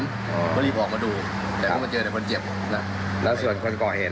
กระถิ่นอ๋อก็รีบบอกมาดูครับแต่ก็เจอแต่คนเจ็บนะแล้วส่วนคนก่อเหตุ